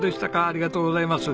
ありがとうございます。